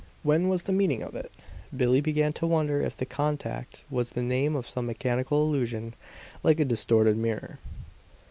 What was the meaning of it? Billie began to wonder if "the contact" was the name of some mechanical illusion, like a distorted mirror.